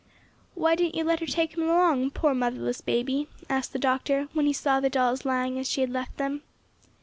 "Why didn't you let her take them along, poor motherless baby?" asked the doctor when he saw the dolls lying as she had left them.